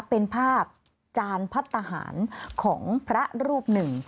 เป็นภาพธนิยะหันศพของพระรูปหนึ่ง